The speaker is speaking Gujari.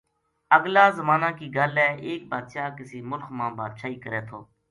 اگلا زمانا کی گل ہے ایک بادشاہ کسے ملخ ما بادشاہی کرے تھو